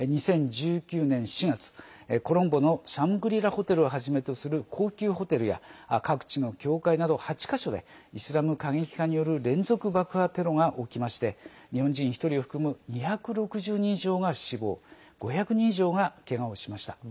２０１９年４月、コロンボのシャングリラホテルをはじめとする高級ホテルや各地の教会など８か所でイスラム過激派による連続爆破テロが起きまして日本人１人を含む２６０人以上が死亡５００人以上が、けがをしました。